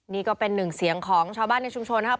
นี่ก็เป็นหนึ่งเสียงของชาวบ้านในชุมชนนะครับ